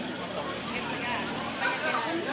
นี่ค่ะ